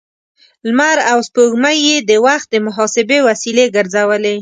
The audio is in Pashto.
لمر او سپوږمۍ يې د وخت د محاسبې وسیلې ګرځولې.